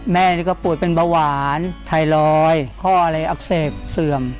แม่นี่ก็ป่วยเป็นเบาหวานไทรอยข้ออะไรอักเสบเสื่อม